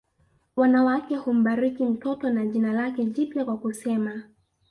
Wanawake humbariki mtoto na jina lake jipya kwa kusema